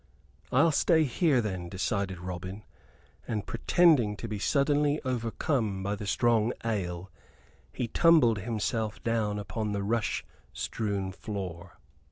"I'll stay here then," decided Robin; and, pretending to be suddenly overcome by the strong ale, he tumbled himself down upon the rush strewn floor.